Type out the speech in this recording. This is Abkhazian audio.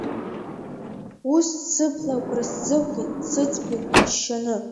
Ус, сыбла агәра сзымгеит, сыҵԥеит, иџьшьаны…